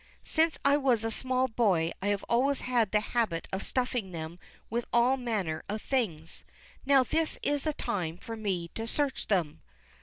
Since I was a small boy I have always had the habit of stuffing them with all manner of things. Now, this is the time for me to search them.